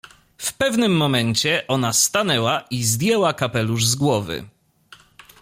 W pewnym momencie ona stanęła i zdjęła kapelusz z głowy.